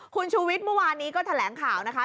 คุณชูวิทย์เมื่อวานนี้ก็แถลงข่าวนะคะ